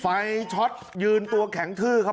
ช็อตยืนตัวแข็งทื้อครับ